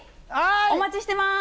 お待ちしています。